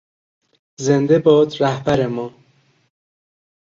زنده باد رهبر ما!